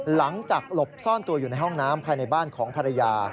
หลังจากหลบซ่อนตัวอยู่ในห้องน้ำภายในบ้านของภรรยา